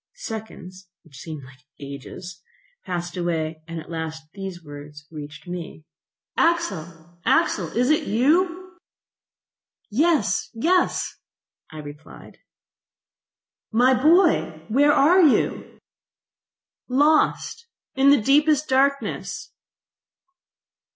Seconds, which seemed ages, passed away, and at last these words reached me: "Axel! Axel! is it you?" .... "Yes, yes," I replied. .... "My boy, where are you?" .... "Lost, in the deepest darkness."